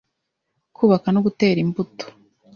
kubaka no gutera imbuto